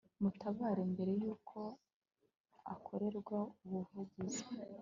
mutabare mbere y'uko akorerwa ubuvugizi